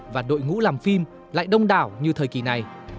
và đội ngũ làm phim lại đông đảo như thời kỳ này